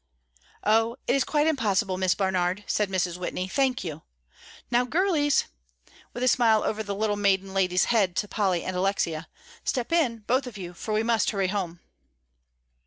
"Oh, it is quite impossible, Miss Barnard," said Mrs. Whitney, "thank you. Now, girlies," with a smile over the little maiden lady's head to Polly and Alexia, "step in, both of you, for we must hurry home."